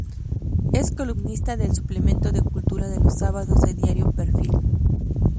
Es columnista del suplemento de Cultura de los sábados de Diario Perfil.